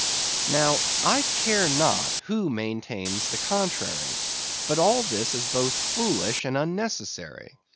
Now, I care not who maintains the contrary, but all this is both foolish and unnecessary.